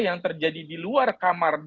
yang terjadi di luar kamar